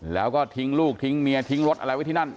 แล้วก็ทิ้งลูกทิ้งเมียทิ้งรถอะไรไว้ที่นั่น